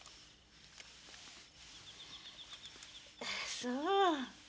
そう。